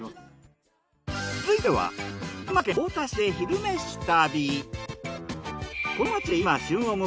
続いては群馬県太田市で「昼めし旅」。